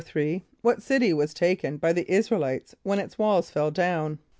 = What city was taken by the [)I][s+]´ra el [=i]tes when its walls fell down?